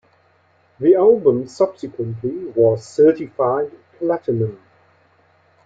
The album subsequently was certified platinum.